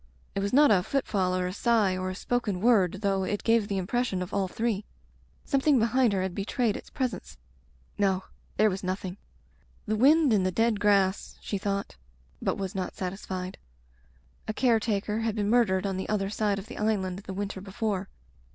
It was not a footfall or a sigh or a spoken word though it gave the impression of all three. Some thing behind her had betrayed its pres ence. ..• No. There was nothing. "The wind in the dead grass," she thought, but was not satisfied. A care taker Digitized by LjOOQ IC Broken Glass had been murdered on the other side of the island the winter before.